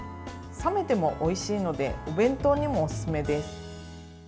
冷めてもおいしいのでお弁当にもおすすめです。